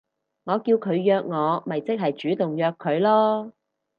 我叫佢約我咪即係主動約佢囉